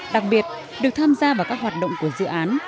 đặc biệt được tham gia vào các hoạt động của dự án